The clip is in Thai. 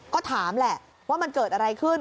ก็ถามแหละว่ามันเกิดอะไรขึ้น